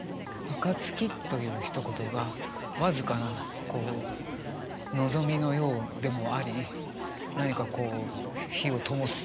「暁」というひと言が僅かな望みのようでもあり何かこう火をともす